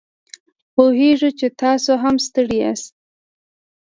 پوهیږو چې تاسو هم ستړي یاست